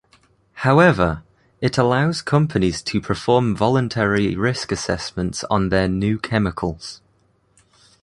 However, it allows companies to perform voluntary risk assessments on their new chemicals.